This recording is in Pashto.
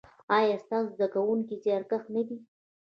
ایا ستاسو زده کونکي زیارکښ نه دي؟